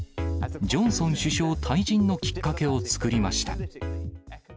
ジョンソン首相退陣のきっかけを作りました。